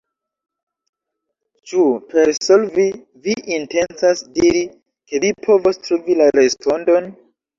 Ĉu per 'solvi' vi intencas diri ke vi povos trovi la respondon?